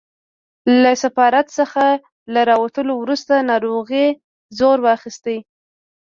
له سفارت څخه له راوتلو وروسته ناروغۍ زور واخیست.